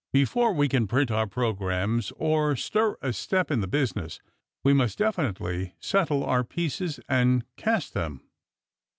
Before we can print our programmes or stir a step in the business, we must definitively settle our pieces, and cast them."